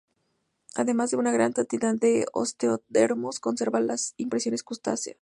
Además de una gran cantidad de osteodermos, conserva las impresiones cutáneas.